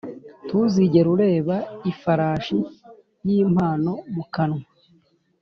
ntuzigere ureba ifarashi y'impano mu kanwa